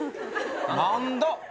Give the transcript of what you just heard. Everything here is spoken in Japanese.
何だ！？